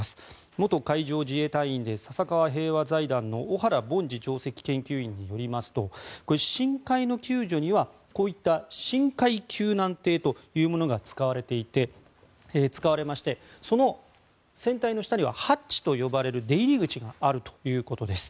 元海上自衛隊員で笹川平和財団の小原凡司上席研究員によりますと深海の救助には、こういった深海救難艇というものが使われましてその船体の下にはハッチと呼ばれる出入り口があるということです。